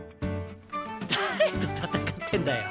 誰と戦ってんだよ。